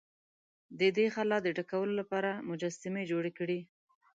د دې خلا د ډکولو لپاره مجسمې جوړې کړې.